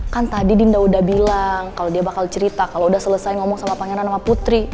kan tadi dinda udah bilang kalau dia bakal cerita kalau udah selesai ngomong sama pangeran sama putri